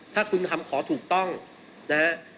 ถ้าคุณทำขอถูกต้องนะฮะ